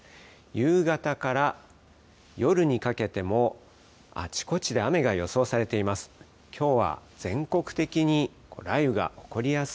夕方から夜にかけてもあちこちで雨が予想されています。